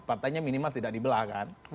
partainya minimal tidak di belah kan